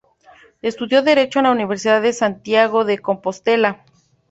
Estudió Derecho en la Universidad de Santiago de Compostela.